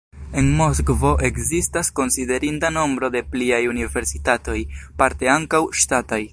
En Moskvo ekzistas konsiderinda nombro da pliaj universitatoj, parte ankaŭ ŝtataj.